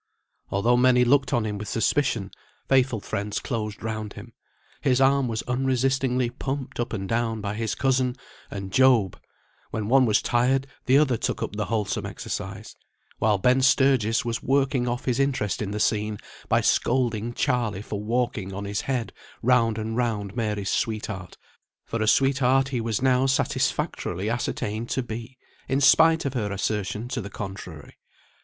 Although many looked on him with suspicion, faithful friends closed round him; his arm was unresistingly pumped up and down by his cousin and Job; when one was tired, the other took up the wholesome exercise, while Ben Sturgis was working off his interest in the scene by scolding Charley for walking on his head round and round Mary's sweetheart, for a sweetheart he was now satisfactorily ascertained to be, in spite of her assertion to the contrary.